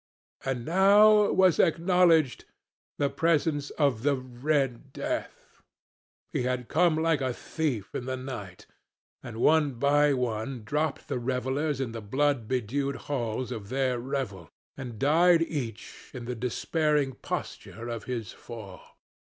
And now was acknowledged the presence of the Red Death. He had come like a thief in the night. And one by one dropped the revellers in the blood bedewed halls of their revel, and died each in the despairing posture of his fall.